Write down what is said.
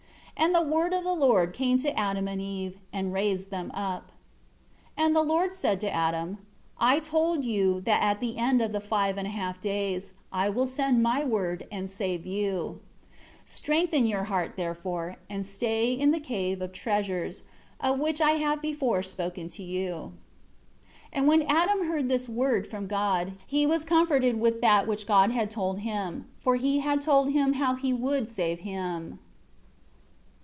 15 And the Word of the Lord came to Adam and Eve, and raised them up. 16 And the Lord said to Adam, "I told you that at the end of the five and a half days, I will send my Word and save you. 17 Strengthen your heart, therefore, and stay in the Cave of Treasures, of which I have before spoken to you." 18 And when Adam heard this Word from God, he was comforted with that which God had told him. For He had told him how He would save him.